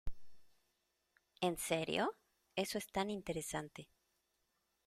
¿ En serio? Eso es tan interesante.